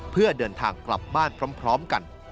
เพื่อเดินทางกลับบ้านพร้อมกัน